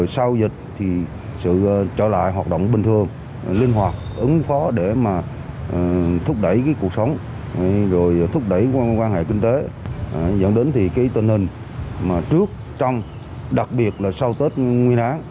sau dịch sự trở lại hoạt động bình thường linh hoạt ứng phó để thúc đẩy cuộc sống